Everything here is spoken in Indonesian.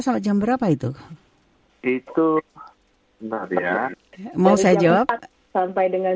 dari jam empat sampai dengan jam sembilan